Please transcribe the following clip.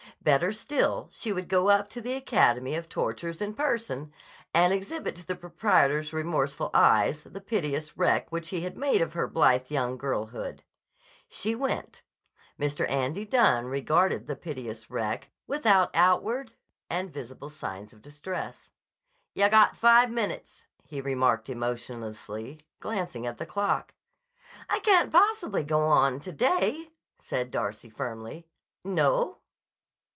Better still, she would go up to the Academy of Tortures in person and exhibit to the proprietor's remorseful eyes the piteous wreck which he had made of her blithe young girlhood. She went. Mr. Andy Dunne regarded the piteous wreck without outward and visible signs of distress. "Yah got five minutes," he remarked emotionlessly, glancing at the clock. "I can't possibly go on to day," said Darcy firmly. "No?"